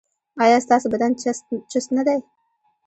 ایا ستاسو بدن چست نه دی؟